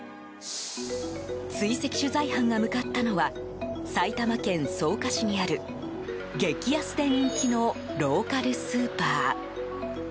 追跡取材班が向かったのは埼玉県草加市にある激安で人気のローカルスーパー。